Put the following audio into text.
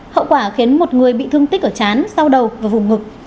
hậu quả khiến một người bị thương tích ở chán sau đầu và vùng ngực